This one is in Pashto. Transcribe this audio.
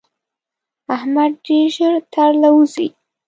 احمد ډېر ژر تر له وزي.